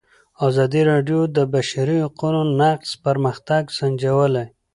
ازادي راډیو د د بشري حقونو نقض پرمختګ سنجولی.